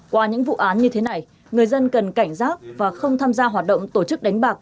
qua những vụ án như thế này người dân cần cảnh giác và không tham gia hoạt động tổ chức đánh bạc